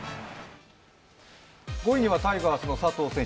５位にはタイガースの佐藤選手